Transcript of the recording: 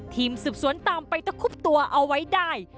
ทีมสืบสวนตามไปตะคุบตัวเอาไว้ได้